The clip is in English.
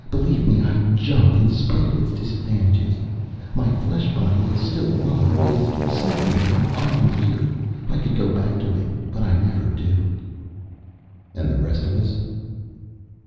Believe me, I jumped, in spite of its disadvantages. My flesh body is still alive it is sleeping, while I am here. I could go back to it. But I never do." "And the rest of us?"